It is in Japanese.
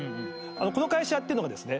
この会社っていうのがですね